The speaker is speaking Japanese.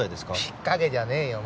引っかけじゃねえよ。